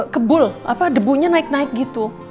kebul debunya naik naik gitu